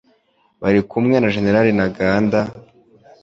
bari kumwe na General Ntaganda,